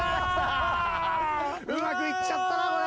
うまく行っちゃったなこれ。